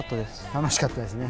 楽しかったですね。